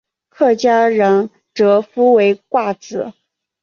客家人则呼为挂纸。